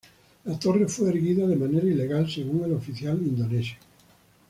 La torre fue erguida de manera ilegal según el oficial indonesio.